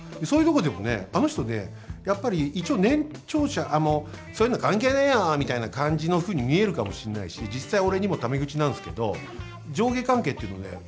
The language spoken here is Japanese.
そういうとこでもね、あの人ねやっぱり一応、年長者を「そういうの関係ねえよ」みたいな感じのふうに見えるかもしれないし実際、俺にも、ため口なんすけど上下関係っていうのをね